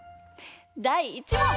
だい１もん！